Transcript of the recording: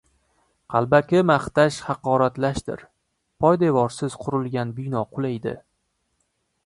Qalbaki maqtash haqoratlashdir, poydevorsiz qurilgan bino qulaydi.